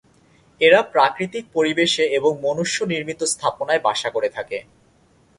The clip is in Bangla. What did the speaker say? এরা প্রাকৃতিক পরিবেশে এবং মনুষ্য নির্মিত স্থাপনায় বাসা করে থাকে।